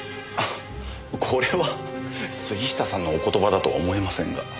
これは杉下さんのお言葉だとは思えませんが。